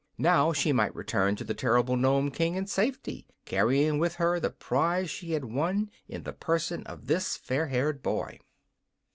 Now she might return to the terrible Nome King in safety, carrying with her the prize she had won in the person of the fair haired boy.